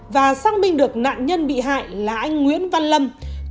và xác minh được nạn nhân bị hại là anh nguyễn văn lâm